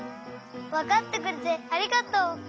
わかってくれてありがとう！